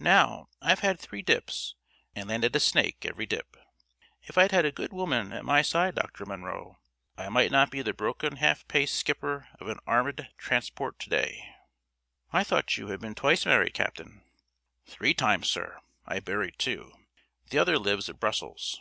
Now, I've had three dips, and landed a snake every dip. If I'd had a good woman at my side, Dr. Munro, sir, I might not be the broken half pay skipper of an armed transport to day." "I thought you had been twice married, captain." "Three times, sir. I buried two. The other lives at Brussels.